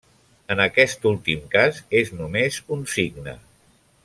En aquest últim cas és només un signe.